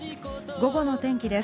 午後の天気です。